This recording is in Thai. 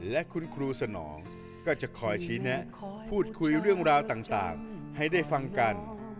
และคุณครูสนองก็จะคอยชี้แนะพูดคุยเรื่องราวต่างให้ได้ฟังกัน